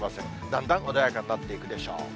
だんだん穏やかになっていくでしょう。